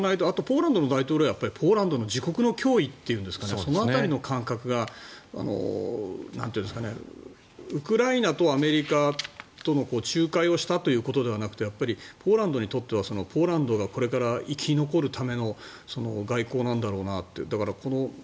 あとポーランドの大統領はポーランドの自国の脅威というんですかその辺りの感覚がウクライナとアメリカとの仲介をしたということではなくてポーランドにとってはポーランドがこれから生き残るための外交なんだろうなと。